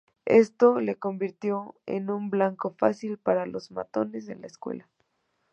Esto le convirtió en un blanco fácil para los matones en la escuela.